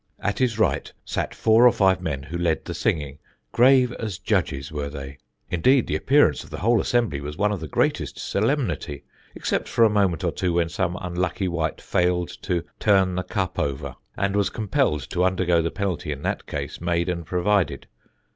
At his right sat four or five men who led the singing, grave as judges were they; indeed, the appearance of the whole assembly was one of the greatest solemnity, except for a moment or two when some unlucky wight failed to 'turn the cup over,' and was compelled to undergo the penalty in that case made and provided.